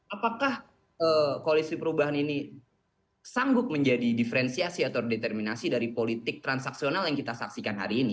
apakah koalisi perubahan ini sanggup menjadi diferensiasi atau determinasi dari politik transaksional yang kita saksikan hari ini